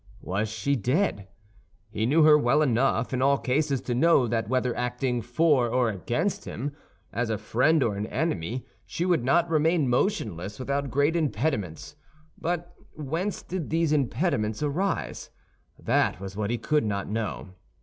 Was she dead? He knew her well enough in all cases to know that, whether acting for or against him, as a friend or an enemy, she would not remain motionless without great impediments; but whence did these impediments arise? That was what he could not know.